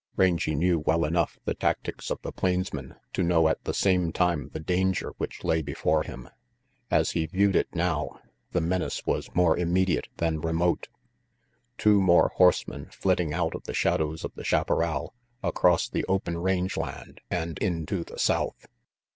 Rangy knew well enough the tactics of the plains men to know at the same time the danger which lay before him. As he viewed it now, the menace was more immediate than remote. RANGY PETE 239 Two more horsemen flitting out of the shadows of the chaparral, across the open range land, and into the south!